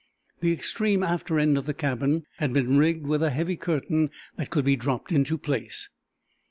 The extreme after end of the cabin had been rigged with a heavy curtain that could be dropped into place.